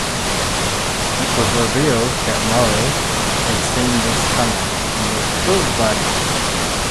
It was revealed that Morrow had seen this coming and was thrilled by it.